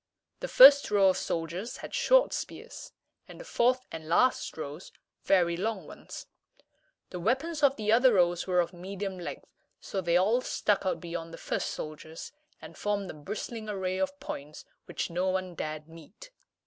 The first row of soldiers had short spears, and the fourth and last rows very long ones. The weapons of the other rows were of medium length, so that they all stuck out beyond the first soldiers, and formed a bristling array of points which no one dared meet.